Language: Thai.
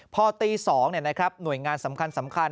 พอตี๒หน่วยงานสำคัญ